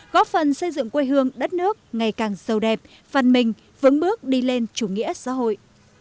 góp phần xây dựng quê hương đất nước ngày càng sâu đẹp văn minh vững bước đi lên chủ nghĩa xã hội